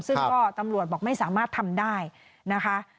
ซึ่งก็ตำรวจบอกไม่สามารถทำได้นะคะ